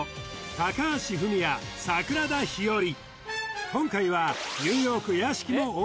高橋文哉桜田ひより